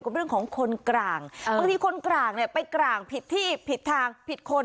เรื่องของคนกลางบางทีคนกลางเนี่ยไปกลางผิดที่ผิดทางผิดคน